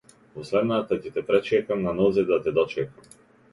Во следната ќе те пречекам, на нозе да те дочекам.